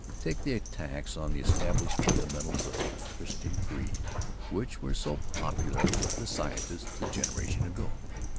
Take the attacks on the established fundamentals of the Christian creed which were so popular with the 'scientists' a generation ago.